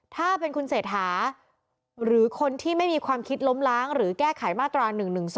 ถ้าเป็นคุณเศรษฐาหรือคนที่ไม่มีความคิดล้มล้างหรือแก้ไขมาตรา๑๑๒